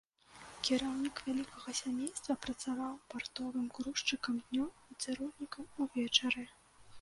Кіраўнік вялікага сямейства працаваў партовым грузчыкам днём і цырульнікам увечары.